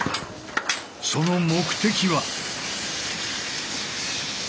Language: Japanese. その目的は。